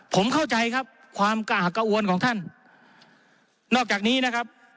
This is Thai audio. ผมเข้าใจครับความกระหักกระอวนของท่านนอกจากนี้นะครับ